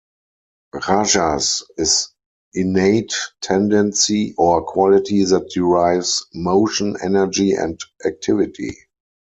"Rajas" is innate tendency or quality that drives motion, energy and activity.